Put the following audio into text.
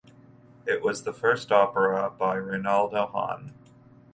It was the first opera by Reynaldo Hahn.